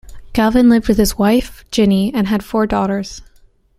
Galvin lived with his wife Ginny and had four daughters.